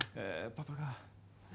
パパが。